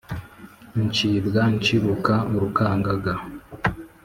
Nshibwa nshibuka-Urukangaga.